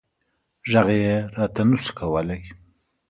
غږ یې راته نه شو کولی.